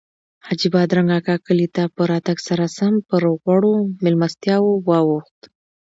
حاجي بادرنګ اکا کلي ته په راتګ سره سم پر غوړو میلمستیاوو واوښت.